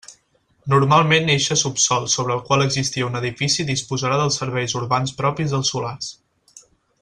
Normalment eixe subsòl sobre el qual existia un edifici disposarà dels serveis urbans propis dels solars.